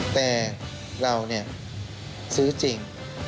แต่เราเนี่ยซึ้อจริง